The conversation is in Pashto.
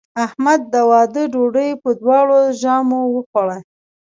احمد د واده ډوډۍ په دواړو ژامو وخوړه.